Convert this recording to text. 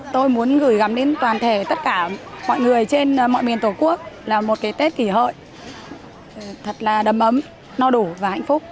tôi muốn gửi gắm đến toàn thể tất cả mọi người trên mọi miền tổ quốc là một cái tết kỷ hợi thật là đầm ấm no đủ và hạnh phúc